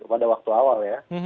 pada waktu awal ya